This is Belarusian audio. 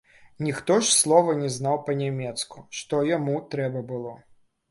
Ніхто ж слова не знаў па-нямецку, што яму трэба было.